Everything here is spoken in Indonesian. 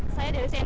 saya dari cnm